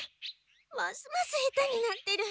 ますます下手になってる。